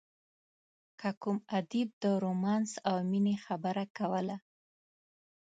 که کوم ادیب د رومانس او مینې خبره کوله.